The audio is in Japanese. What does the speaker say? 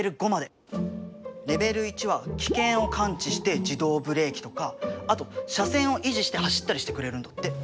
レベル１は危険を感知して自動ブレーキとかあと車線を維持して走ったりしてくれるんだって。